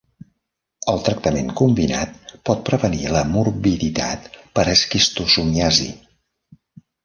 El tractament combinat pot prevenir la morbiditat per esquistosomiasi.